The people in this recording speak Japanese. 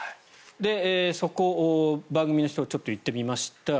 そこを番組の人がちょっと行ってみました。